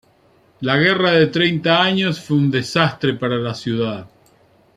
La Guerra de Treinta Años fue un desastre para la ciudad.